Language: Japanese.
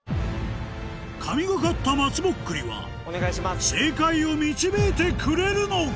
神がかった松ぼっくりは正解を導いてくれるのか？